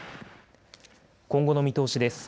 今後の見通しです。